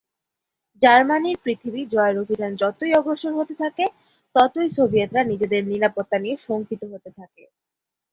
জার্মানীর পৃথিবী জয়ের অভিযান যতই অগ্রসর হতে থাকে ততই সোভিয়েতরা নিজেদের নিরাপত্তা নিয়ে শঙ্কিত হতে থাকে।